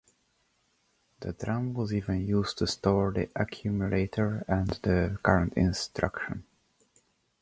The drum was even used to store the Accumulator and the Current Instruction.